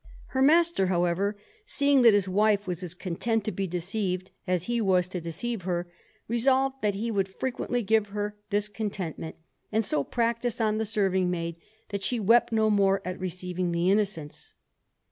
Her master, however, seeing that his wife was as content to be deceived as he was to deceive her, resolved that he would frequently give her this contentment, and so practised on the serving maid, that she wept no more at receiving the Innocents.